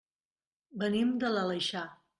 Venim de l'Aleixar.